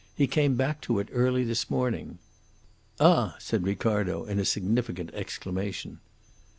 He came back to it early this morning." "Ah!" said Ricardo, in a significant exclamation.